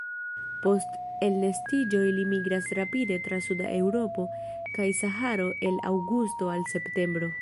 Post elnestiĝo ili migras rapide tra suda Eŭropo kaj Saharo el aŭgusto al septembro.